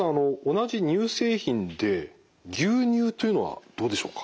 同じ乳製品で牛乳というのはどうでしょうか？